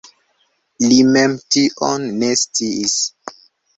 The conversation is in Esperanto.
Li mem tion ne sciis.